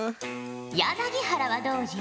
柳原はどうじゃ？